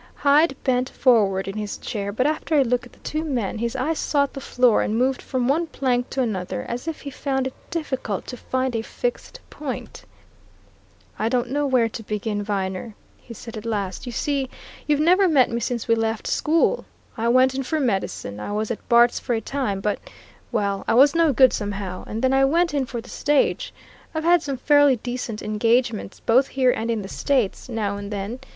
Hyde bent forward in his chair, but after a look at the two men, his eyes sought the floor and moved from one plank to another as if he found it difficult to find a fixed point. "I don't know where to begin, Viner," he said at last. "You see, you've never met me since we left school. I went in for medicine I was at Bart's for a time, but well, I was no good, somehow. And then I went in for the stage I've had some fairly decent engagements, both here and in the States, now and then.